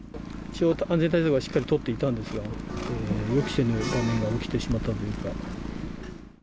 安全対策はしっかり取っていたんですが、予期せぬことが起きてしまったというか。